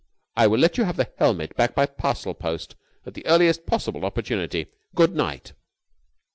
I will let you have the helmet back by parcel post at the earliest possible opportunity. Good night!"